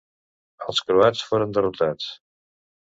Els croats foren derrotats.